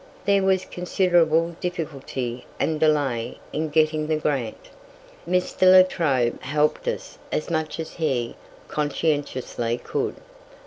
There was considerable difficulty and delay in getting the grant. Mr. La Trobe helped us as much as he conscientiously could.